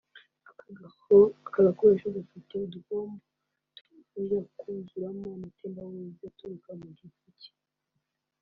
Ako gakoresho gafite uduhombo tubanza kuzuramo amatembabuzi aturuka mu gifu cye